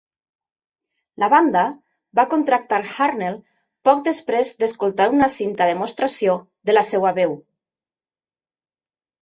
La banda va contractar Harnell poc després d'escoltar una cinta demostració de la seva veu.